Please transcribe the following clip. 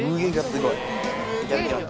いただきます。